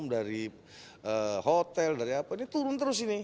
dari hotel dari apa ini turun terus ini